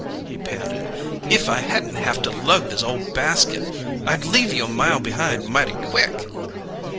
he panted. "If I didn't haf to lug this ole basket, I'd leave you a mile behind mighty quick."